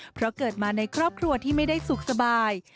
เพราะเกิดมาในครอบครัวที่ไม่ได้สุขสบาย